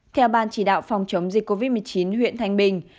theo ban chỉ đạo phòng chống dịch covid một mươi chín huyện thanh bình